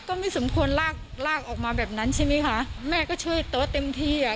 ก็ไม่สมควรลากลากออกมาแบบนั้นใช่ไหมคะแม่ก็ช่วยโต๊ะเต็มที่อ่ะ